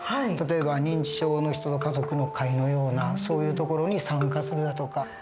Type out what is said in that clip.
例えば認知症の人の家族の会のようなそういう所に参加するだとか。